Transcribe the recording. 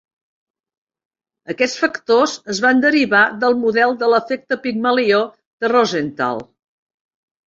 Aquests factors es van derivar del model de l'efecte Pigmalió de Rosenthal.